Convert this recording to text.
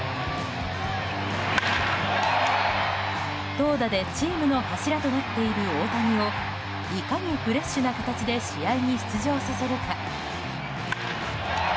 投打でチームの柱となっている大谷をいかにフレッシュな形で試合に出場させるか。